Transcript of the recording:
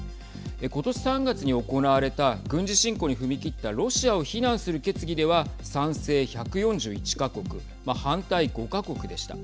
今年３月に行われた軍事侵攻に踏み切ったロシアを非難する決議では賛成１４１か国反対５か国でした。